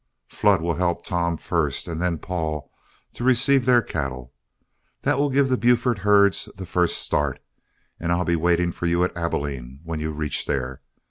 Flood will help Tom first, and then Paul, to receive their cattle. That will give the Buford herds the first start, and I'll be waiting for you at Abilene when you reach there.